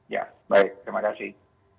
ya baik terima kasih